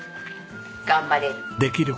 頑張れる。